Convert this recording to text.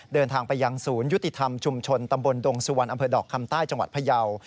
เดินทางไปยังศูนย์ยุติธรรมชุมชนตำบลดงสุวรรณอำเภอดอกคำใต้จังหวัดพยาว